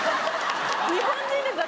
日本人です